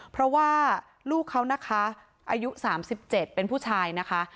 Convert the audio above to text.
เพราะว่าลูกเขานะคะอายุ๓๗เป็นผู้ชายนะคะ